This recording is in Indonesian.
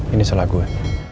ini salah gue